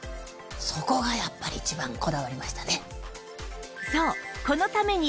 そこがやっぱり一番こだわりましたね。